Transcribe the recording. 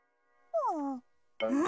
うん？